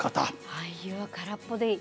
俳優は空っぽでいい。